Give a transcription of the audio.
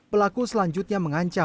pelaku selanjutnya mengancam